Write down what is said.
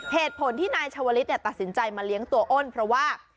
เหตุผลที่นายชาวลิศตัดสินใจมาเลี้ยงตัวอ้นเพราะว่า